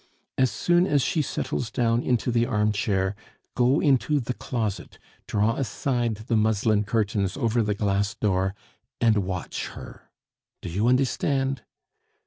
As soon as she settles down into the armchair, go into the closet, draw aside the muslin curtains over the glass door, and watch her.... Do you understand?"